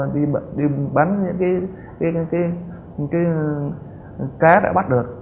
đi bán những cá đã bắt được